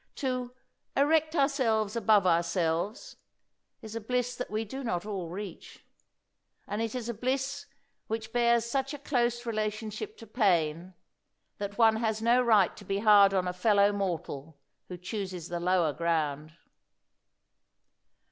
To "erect ourselves above ourselves" is a bliss that we do not all reach. And it is a bliss which bears such a close relationship to pain, that one has no right to be hard on a fellow mortal who chooses the lower ground.